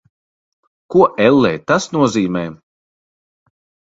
Ko, ellē, tas nozīmē?